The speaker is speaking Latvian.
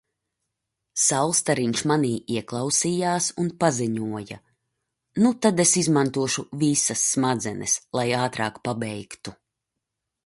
Saulstariņš manī ieklausījās un paziņoja:" Nu tad es izmantošu visas smadzenes, lai ātrāk pabeigtu."